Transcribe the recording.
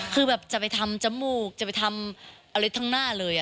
คือแบบจะไปทำจมูกจะไปทำอะไรทั้งหน้าเลย